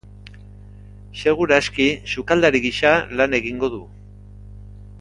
Segur aski sukaldari gisa lan egingo du.